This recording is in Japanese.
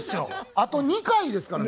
あと２回ですからね。